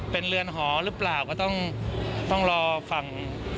เป็นเรือนหอหรือเปล่าก็ต้องรอฝั่ง